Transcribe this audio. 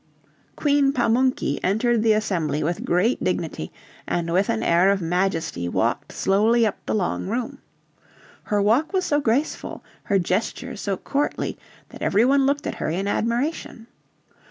Queen Pamunky entered the Assembly with great dignity, and with an air of majesty walked slowly up the long room. Her walk was so graceful, her gestures so courtly, that every one looked at her in admiration.